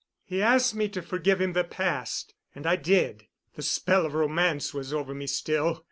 He asked me to forgive him the past, and I did. The spell of romance was over me still.